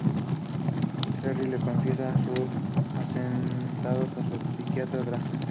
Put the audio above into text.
Jerry le confiesa sus asesinatos a su psiquiatra Dra.